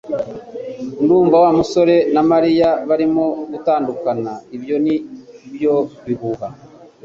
Ndumva Wa musore na Mariya barimo gutandukana" "Ibyo ni byo bihuha"